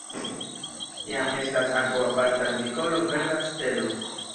Jam estas ankaŭ aparta artikolo Verda stelo.